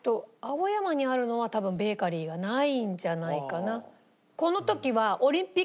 青山にあるのは多分ベーカリーはないんじゃないかな。